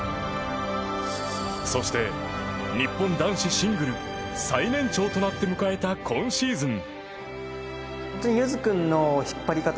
そして日本男子シングル最年長となって迎えた今シーズン。